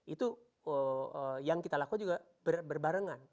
itu yang kita lakukan juga berbarengan